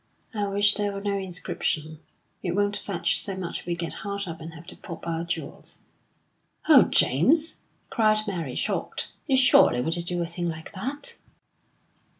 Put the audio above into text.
"I wish there were no inscription. It won't fetch so much if we get hard up and have to pop our jewels." "Oh, James," cried Mary, shocked, "you surely wouldn't do a thing like that!"